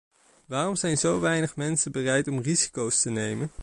Waarom zijn zo weinig mensen bereid om risico's te nemen?